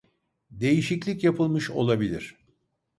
Değişiklik yapılmış olabilir